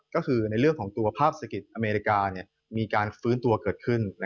ก็คือในเรื่องของตัวภาพเศรษฐกิจอเมริกามีการฟื้นตัวเกิดขึ้น